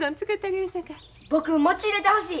僕餅入れてほしい。